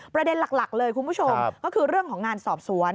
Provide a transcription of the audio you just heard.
ประเด็นหลักเลยคุณผู้ชมก็คือเรื่องของงานสอบสวน